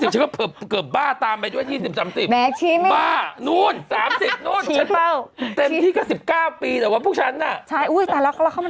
เธอชี้ไม่เกรงใจสาณตายายน้ำกัน